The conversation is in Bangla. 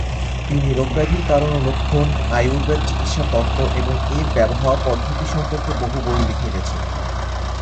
তিনি রোগ-ব্যাধির কারণ ও লক্ষন, আয়ুর্বেদ চিকিৎসার তত্ত্ব এবং এর ব্যবহার পদ্ধতি সম্পর্কে বহু বই লিখে গেছেন।